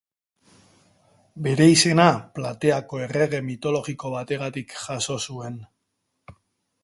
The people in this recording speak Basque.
Bere izena, Plateako errege mitologiko bategatik jaso zuen.